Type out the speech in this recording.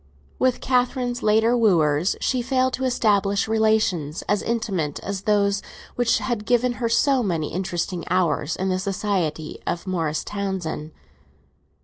With Catherine's later wooers she failed to establish relations as intimate as those which had given her so many interesting hours in the society of Morris Townsend.